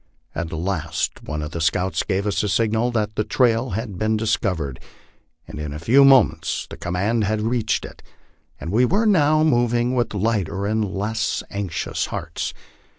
At last one of the scouts gave the signal that the trail had been discovered, and in a few moments the command had reached it, and we were now moving with lighter and less anxious hearts.